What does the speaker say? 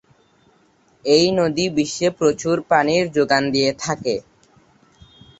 এই নদী বিশ্বে প্রচুর পানির যোগান দিয়ে থাকে।